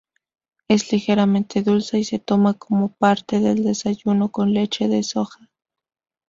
Es ligeramente dulce, y se toma como parte del desayuno con leche de soja.